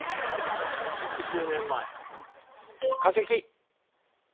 ６０年前。